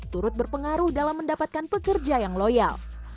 turut berpengaruh dalam mendapatkan pekerja yang loyal